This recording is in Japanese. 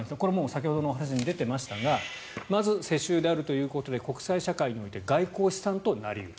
先ほどのお話にも出ていましたがまず世襲であるということで国際社会において外交資産となり得る。